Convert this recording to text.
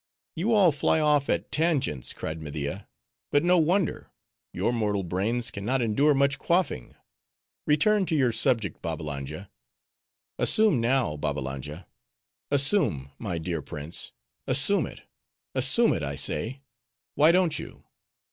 "You all fly off at tangents," cried Media, "but no wonder: your mortal brains can not endure much quaffing. Return to your subject, Babbalanja. Assume now, Babbalanja,—assume, my dear prince—assume it, assume it, I say!—Why don't you?"